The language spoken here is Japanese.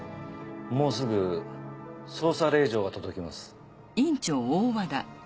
もうすぐ捜査令状が届きます。